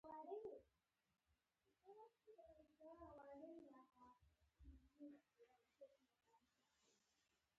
دوی خلک پر مذهبونو باندې ایمان ته رابللي دي